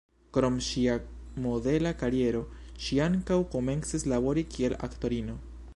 Krom ŝia modela kariero, ŝi ankaŭ komencis labori kiel aktorino.